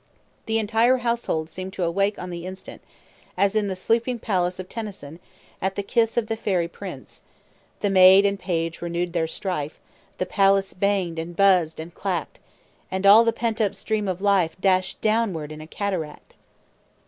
The entire household seemed to awake on the instant, as in the "Sleeping Palace" of Tennyson, at the kiss of the Fairy Prince, "The maid and page renewed their strife; The palace banged, and buzzed, and clackt; And all the long pent stream of life Dashed downward in a cataract."